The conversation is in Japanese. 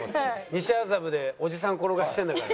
西麻布でおじさん転がしてるんだから。